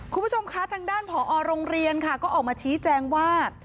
คุณผู้ชมคะทางด้านผอโรงเรียนค่ะก็ออกมาชี้แจงว่า